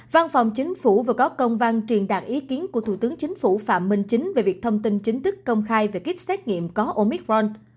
văn phòng chính phủ vừa có công văn truyền đạt ý kiến của thủ tướng chính phủ phạm minh chính về việc thông tin chính thức công khai về kích xét nghiệm có omicron